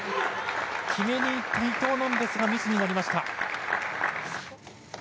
決めにいった伊藤なんですがミスになりました。